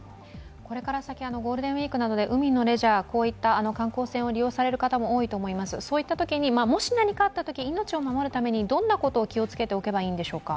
これから先、ゴールデンウイークなどで海のレジャー、こういった観光船を利用される方も多いと思います、そういったときにもし何かあったとき、命を守るために、どんなことを気をつけておけばいいんでしょうか。